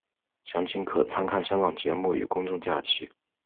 详情可参看香港节日与公众假期。